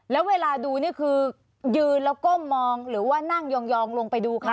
แล้วเวลาดูนี่คือยืนแล้วก้มมองหรือว่านั่งยองลงไปดูเขา